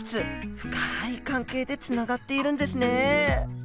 深い関係でつながっているんですね。